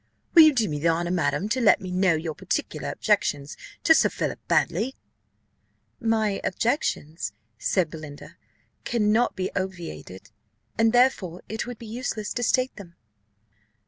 Will you do me the honour, madam, to let me know your particular objections to Sir Philip Baddely?" "My objections," said Belinda, "cannot be obviated, and therefore it would be useless to state them."